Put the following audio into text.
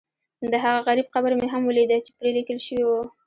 دهغه غریب قبر مې هم ولیده چې پرې لیکل شوي و.